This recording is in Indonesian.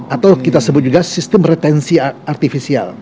atau kita sebut juga sistem retensi artifisial